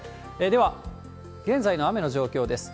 では、現在の雨の状況です。